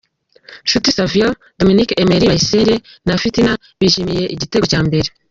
Nshuti Savio Dominique, Emery Bayisenge, na Fitina bishimira igitego cya mbere.